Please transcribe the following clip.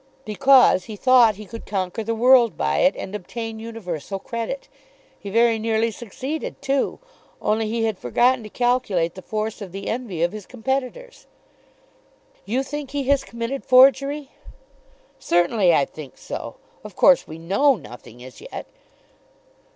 "Because he thought that he could conquer the world by it, and obtain universal credit. He very nearly succeeded too. Only he had forgotten to calculate the force of the envy of his competitors." "You think he has committed forgery?" "Certainly, I think so. Of course we know nothing as yet."